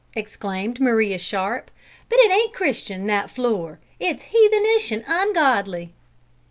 exclaimed Maria Sharp, "but it ain't Christian, that floor! it's heathenish and ungodly!"